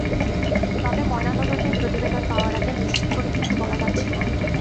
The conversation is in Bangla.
তবে ময়নাতদন্তের প্রতিবেদন পাওয়ার আগে নিশ্চিত করে কিছু বলা যাচ্ছে না।